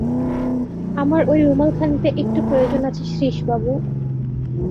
আমার ঐ রুমালখানিতে একটু প্রয়োজন আছে শ্রীশবাবু!